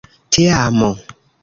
teamo